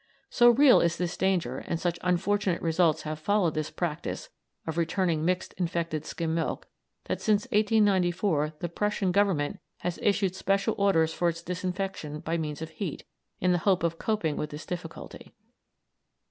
So real is this danger, and such unfortunate results have followed this practice of returning mixed infected skim milk, that since 1894 the Prussian Government has issued special orders for its disinfection by means of heat, in the hope of coping with this difficulty.